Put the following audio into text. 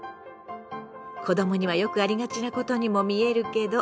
子どもにはよくありがちなことにも見えるけど。